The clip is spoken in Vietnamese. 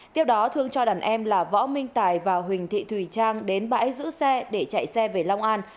tiếp đó thương cho đàn em là võ minh tài và huỳnh thị thùy trang đến bãi giữ xe để chạy xe về long an